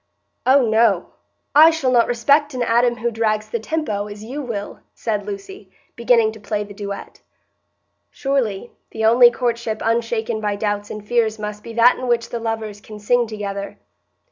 '" "Oh no, I shall not respect an Adam who drags the tempo, as you will," said Lucy, beginning to play the duet. Surely the only courtship unshaken by doubts and fears must be that in which the lovers can sing together.